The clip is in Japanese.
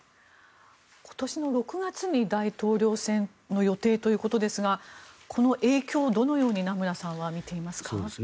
今年の６月に大統領選の予定ということですがこの影響、どのように名村さんは見ていますか？